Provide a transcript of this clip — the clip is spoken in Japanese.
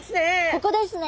ここですね。